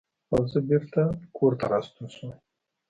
او زۀ بېرته کورته راستون شوم ـ